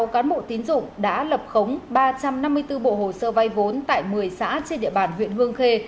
một mươi cán bộ tín dụng đã lập khống ba trăm năm mươi bốn bộ hồ sơ vay vốn tại một mươi xã trên địa bàn huyện hương khê